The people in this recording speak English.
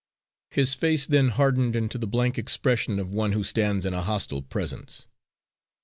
His face then hardened into the blank expression of one who stands in a hostile presence.